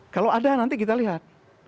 kalau ada nanti kita lihat